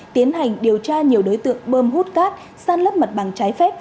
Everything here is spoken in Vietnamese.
tiến hành điều tra nhiều đối tượng bơm hút cát săn lấp mặt bằng trái phép